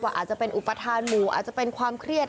อาจจะเป็นอุปทานหมู่อาจจะเป็นความเครียด